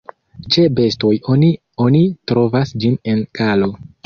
Ĉe bestoj oni oni trovas ĝin en galo.